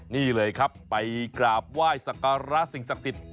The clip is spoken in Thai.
นี่เลยครับไปกราบไหว้สักการะสิ่งศักดิ์สิทธิ์